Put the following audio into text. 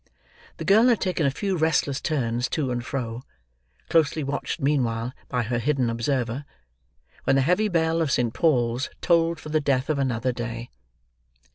The girl had taken a few restless turns to and fro—closely watched meanwhile by her hidden observer—when the heavy bell of St. Paul's tolled for the death of another day.